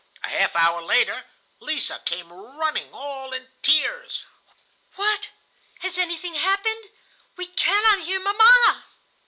"A half hour later Lise came running all in tears. 'What! Has anything happened? We cannot hear Mamma!